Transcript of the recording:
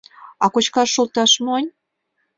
А кочкаш шолташ мойн...